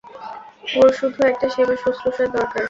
ওর শুধু একটা সেবা শ্রুশুষার দরকার।